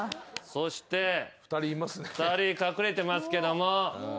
そして２人隠れてますけども。